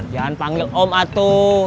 jangan panggil om atuh